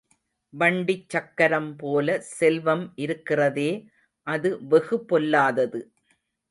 வண்டிச் சக்கரம் போல செல்வம் இருக்கிறதே, அது வெகுபொல்லாதது.